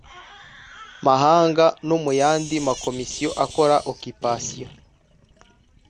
mahanga no mu yandi makomisiyo akora occupation